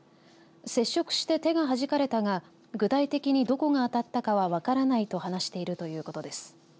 接触して、手がはじかれたが具体的に、どこが当たったかは分からないと話しているということです。